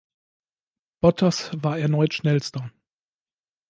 Bottas war erneut Schnellster.